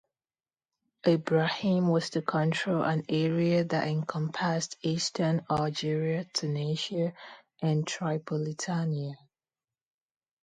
Ibrahim was to control an area that encompassed eastern Algeria, Tunisia and Tripolitania.